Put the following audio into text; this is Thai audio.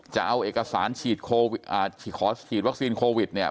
จะเอาเอกสารฉีดขอฉีดวัคซีนโควิดเนี่ย